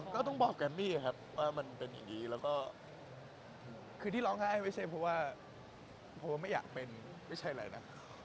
ก็ต้องบอกแกมมี่ครับว่ามันเป็นอย่างนี้แล้วก็คือที่ร้องไห้ไม่ใช่เพราะว่าเพราะว่าไม่อยากเป็นไม่ใช่อะไรนะ